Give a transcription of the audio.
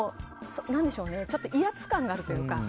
威圧感があるというか。